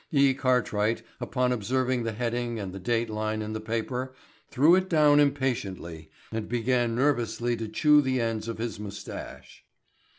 E. Cartwright, upon observing the heading and the date line in the paper, threw it down impatiently and began nervously to chew the ends of his moustache.